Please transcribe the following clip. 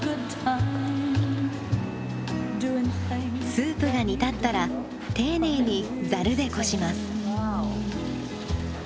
スープが煮立ったら丁寧にざるでこします。